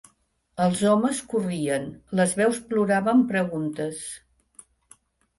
Els homes corrien, les veus ploraven preguntes.